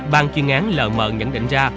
ban chuyên án lờ mờ nhận định ra